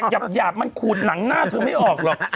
หยาบมันขูดหนังหน้าเธอไม่ออกหรอก